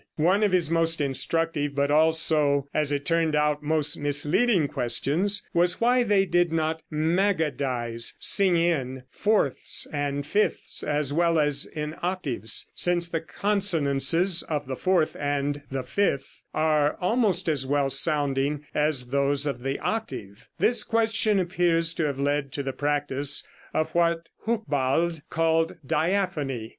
One of his most instructive, but also, as it turned out, most misleading questions was why they did not magadize (sing in) fourths and fifths as well as in octaves, since the consonances of the fourth and the fifth are almost as well sounding as those of the octave. This question appears to have led to the practice of what Hucbald called "diaphony."